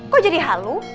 kok jadi halu